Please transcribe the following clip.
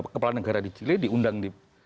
kepala negara di chile diundang di